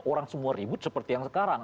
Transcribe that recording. orang semua ribut seperti yang sekarang